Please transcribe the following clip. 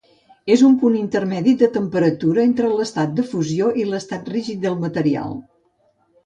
És un punt intermedi de temperatura entre l'estat de fusió i l'estat rígid del material.